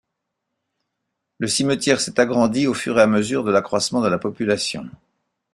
Le cimetière s'est agrandi au fur et à mesure de l'accroissement de la population.